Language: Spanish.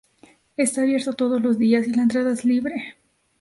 Está abierto todos los días y la entrada es libre.